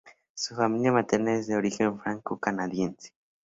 Su familia materna es de origen franco-canadiense.